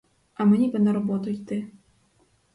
А мені би на роботу йти.